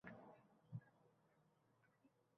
Sessiya. Bir yilda ikki imtihon